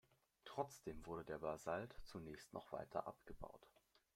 Trotzdem wurde der Basalt zunächst noch weiter abgebaut.